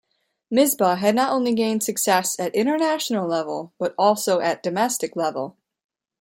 Misbah had not only gained success at international level but also at domestic level.